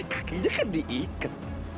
kakinya kan diiket